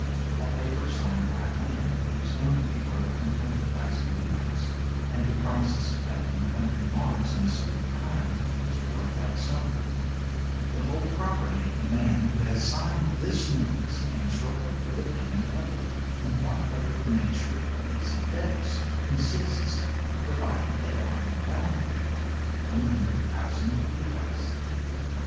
A paper signed by a man, who is known to be worth 100,000 livres, and who promises to pay 100 marks in a certain time is worth that sum; the whole property of the man who has signed this note is answerable for the payment of it, in whatever the nature of these effects consists, provided they are in value 100,000 livres.